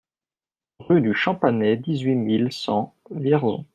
Rue du Champanet, dix-huit mille cent Vierzon